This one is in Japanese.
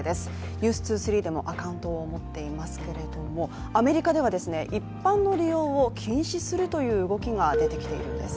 「ｎｅｗｓ２３」でもアカウントを持っていますけれどもアメリカでは、一般の利用を禁止するという動きが出てきているんです。